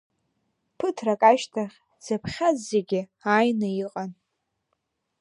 Ԥыҭрак ашьҭахь дзыԥхьаз зегьы ааины иҟан.